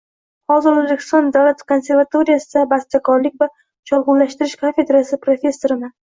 Hozir O’zbekiston Davlat konservatoriyasida bastakorlik va cholg’ulashtirish kafedrasi professoriman.